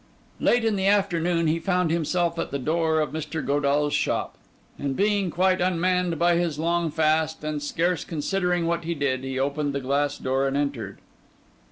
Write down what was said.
Late in the afternoon, he found himself at the door of Mr. Godall's shop; and being quite unmanned by his long fast, and scarce considering what he did, he opened the glass door and entered.